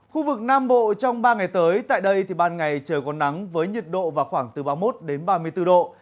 khu vực nam bộ trong ba ngày tới tại đây thì ban ngày trời còn nắng với nhiệt độ vào khoảng từ ba mươi một ba mươi bốn độ